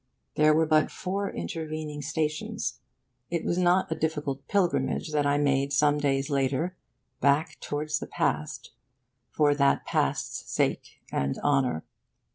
There were but four intervening stations. It was not a difficult pilgrimage that I made some days later back towards the past, for that past's sake and honour.